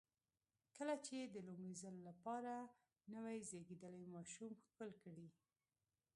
کله چې د لومړي ځل لپاره نوی زېږېدلی ماشوم ښکل کړئ.